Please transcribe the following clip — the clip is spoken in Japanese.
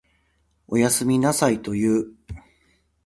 おやすみなさいと言う。